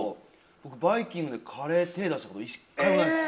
僕バイキングでカレー手ぇ出した事１回もないです。